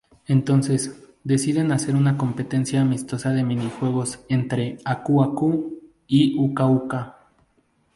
Entonces, deciden hacer una competencia amistosa de minijuegos entre Aku-Aku y Uka-Uka.